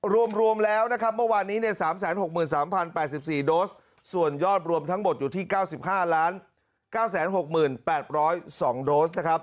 รวมรวมแล้วเมื่อวานี้๓๖๓๐๘๔โดสส่วนยอดรวมทั้งหมดอยู่ที่๙๕๙๖๘๒๐๒โดส